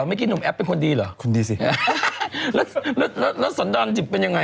ไม่คิดหนุ่มแอฟเป็นคนดีเหรอคุณดีสิแล้วสันดาลจิบเป็นยังไง